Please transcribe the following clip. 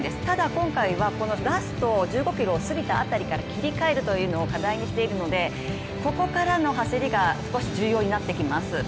ただ、今回はラスト１５ｋｍを過ぎた辺りから切り替えるというのを課題にしているので、ここからの走りが少し重要になってきます。